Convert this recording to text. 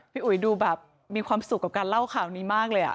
อุ๋ยดูแบบมีความสุขกับการเล่าข่าวนี้มากเลย